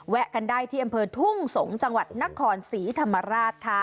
กันได้ที่อำเภอทุ่งสงศ์จังหวัดนครศรีธรรมราชค่ะ